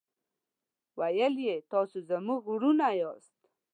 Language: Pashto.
ویل یې تاسو زموږ ورونه یاست.